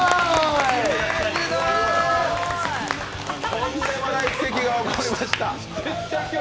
とんでもない奇跡が起きました。